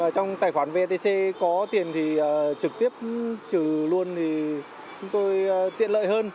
trong tài khoản vetc có tiền thì trực tiếp trừ luôn thì chúng tôi tiện lợi hơn